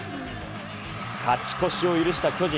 勝ち越しを許した巨人。